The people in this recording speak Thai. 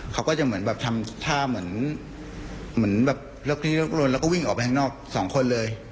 เขาก็จะเหมือนแบบทำท่าเหมือนแบบเลิกลนแล้วก็วิ่งออกไปข้างนอกสองคนเลย